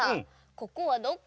ここはどこ？